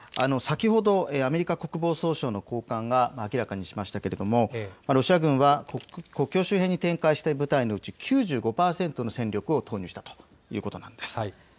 先ほどアメリカ国防総省の高官が明らかにしましたけれどもロシア軍は国境周辺に展開している部隊のうち９５％の戦力を投入したということです。